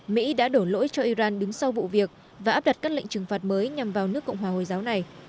mỹ đã đổ lỗi cho iran đứng sau vụ việc và áp đặt các lệnh trừng phạt mới nhằm vào nước cộng hòa hồi giáo này